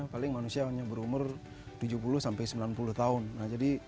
paling manusia hanya berumur tujuh puluh sampai sembilan puluh tahun